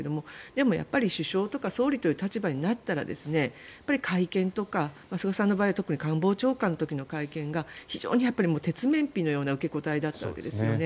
でも、首相とか総理という立場になったら会見とか菅さんの場合は特に官房長官の時の会見が非常に鉄面皮のような受け答えだったわけですよね。